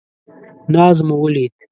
ناز مو ولید.